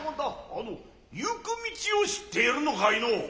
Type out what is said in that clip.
あの行く道を知って居るのかいの。